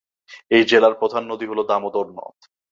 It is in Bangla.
এই জেলার প্রধান নদী হল দামোদর নদ।